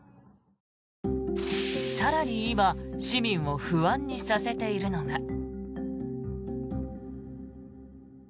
更に今市民を不安にさせているのが。